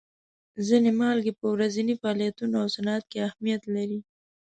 ځینې مالګې په ورځیني فعالیتونو او صنعت کې اهمیت لري.